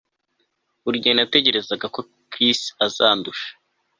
Buri gihe natekerezaga ko Chris azandusha